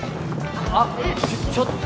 あっちょっと！